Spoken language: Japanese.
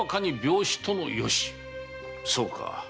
そうか。